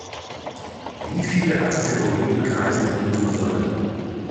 Wie viele Asteroiden kreisen um unsere Sonne?